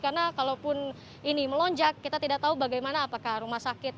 karena kalaupun ini melonjak kita tidak tahu bagaimana apakah rumah sakit